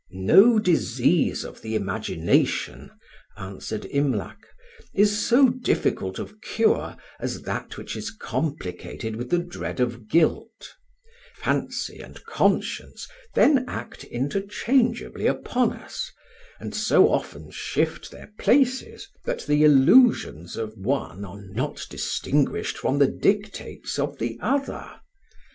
"No disease of the imagination," answered Imlac, "is so difficult of cure as that which is complicated with the dread of guilt; fancy and conscience then act interchangeably upon us, and so often shift their places, that the illusions of one are not distinguished from the dictates of the other.